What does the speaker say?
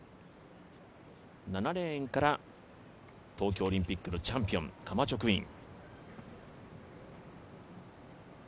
７レーンから東京オリンピックのチャンピオン、カマチョ・クイン。